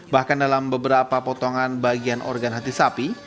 bahkan dalam beberapa potongan bagian organ hati sapi